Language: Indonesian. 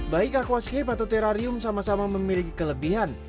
baik aquascape atau terarium sama sama memiliki kelebihan